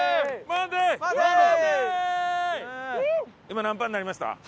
今何パーになりました？